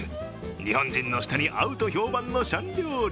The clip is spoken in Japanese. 日本人の舌に合うと評判のシャン料理。